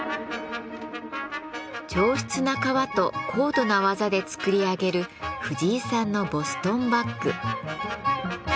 上質な革と高度な技で作り上げる藤井さんのボストンバッグ。